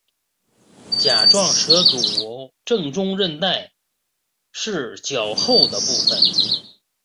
甲状舌骨正中韧带是较厚的部分。